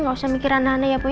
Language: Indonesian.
gak usah mikir aneh aneh ya bu ya